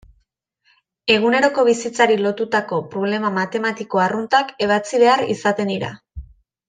Eguneroko bizitzari lotutako problema matematiko arruntak ebatzi behar izaten dira.